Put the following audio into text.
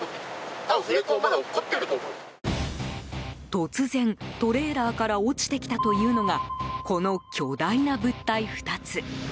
突然、トレーラーから落ちてきたというのがこの巨大な物体２つ。